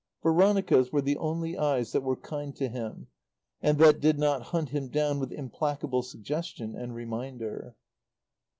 Veronica's were the only eyes that were kind to him; that did not hunt him down with implacable suggestion and reminder.